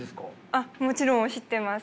あっもちろん知ってます。